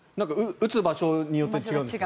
打つ場所によって違うんですよね。